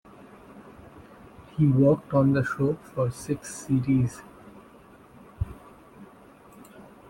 He worked on the show for six series.